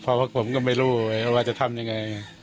เพราะว่าผมก็ไม่รู้ว่าจะทำอย่างไร